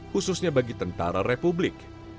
khususnya bagi tentara republik